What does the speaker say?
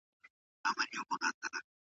اسلام د نړۍ د ټولو انسانانو لپاره رحمت دی.